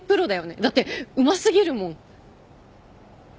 だってうますぎるもん。